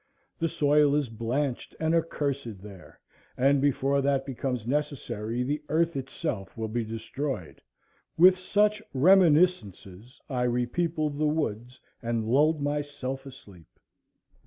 The soil is blanched and accursed there, and before that becomes necessary the earth itself will be destroyed. With such reminiscences I repeopled the woods and lulled myself asleep.